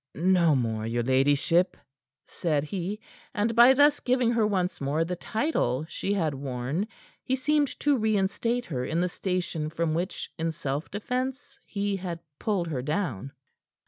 "No more, your ladyship," said he, and by thus giving her once more the title she had worn, he seemed to reinstate her in the station from which in self defence he had pulled her down.